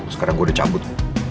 sekarang gue udah cabut